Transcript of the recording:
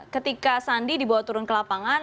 ketika sandi dibawa turun ke lapangan